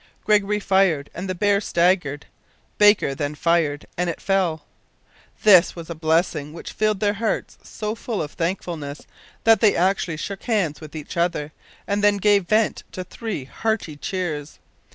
Gregory fired and the bear staggered. Baker then fired and it fell! This was a blessing which filled their hearts so full of thankfulness that they actually shook hands with each other, and then gave vent to three hearty cheers.